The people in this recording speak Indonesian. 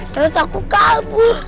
terus aku kabur